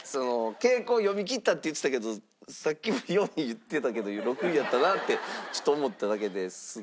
傾向を読みきったって言ってたけどさっきも４位言ってたけど６位やったなってちょっと思っただけですが。